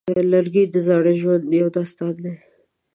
لرګی د زاړه ژوند یو داستان دی.